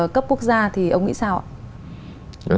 cấp quốc gia thì ông nghĩ sao ạ